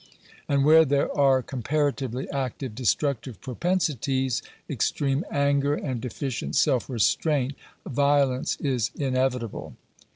And where there are comparatively active destructive propensities, extreme anger, and deficient self restraint, violence is inevitable.